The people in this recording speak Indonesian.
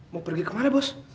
mau pergi kemana bos